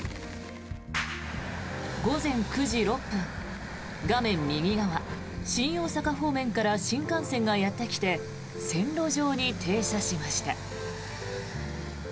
午前９時６分、画面右側新大阪方面から新幹線がやってきて線路上に停車しました。